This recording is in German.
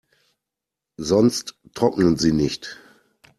Sonst trocknen sie nicht.